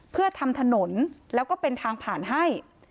เพื่อทำถนนแล้วก็เป็นทางผ่านให้